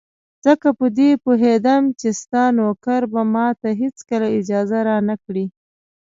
ځکه په دې پوهېدم چې ستا نوکر به ماته هېڅکله اجازه را نه کړي.